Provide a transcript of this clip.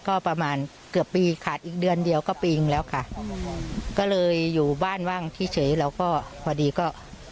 ก็ประมาณเกือบปีขาดอีกเดือนเดียวก็ปีนึงแล้วค่ะก็เลยอยู่บ้านว่างที่เฉยเราก็พอดีก็